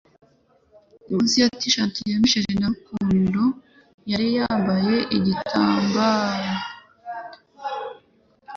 Munsi ya T-shirt ya Michael Rukundo yari yambaye igitambara